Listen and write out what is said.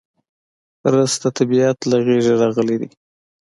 رس د طبیعت له غېږې راغلی دی